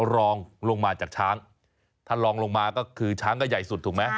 รองลงมาจากช้างถ้าลองลงมาก็คือช้างก็ใหญ่สุดถูกไหม